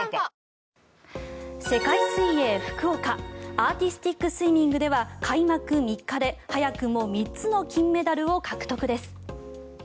アーティスティックスイミングでは、開幕３日で早くも３つの金メダルを獲得です。